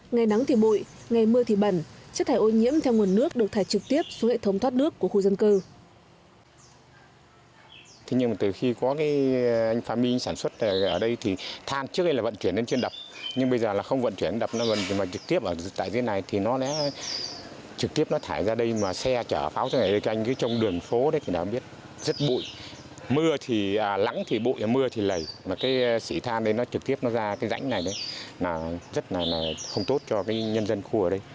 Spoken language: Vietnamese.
ngày nắng thì bụi ngày mưa thì bẩn chất thải ô nhiễm theo nguồn nước được thải trực tiếp xuống hệ thống thoát nước của khu dân cư